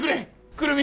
久留美！